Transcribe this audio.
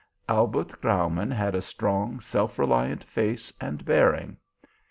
Albert Graumann had a strong, self reliant face and bearing.